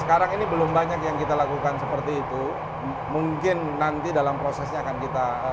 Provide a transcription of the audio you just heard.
sekarang ini belum banyak yang kita lakukan seperti itu mungkin nanti dalam prosesnya akan kita